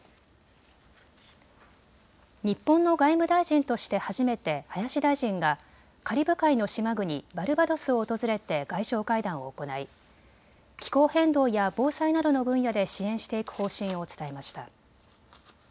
日本の外務大臣として初めて林大臣がカリブ海の島国バルバドスを訪れて外相会談を行い気候変動や防災などの分野で支援していく方針を伝えました。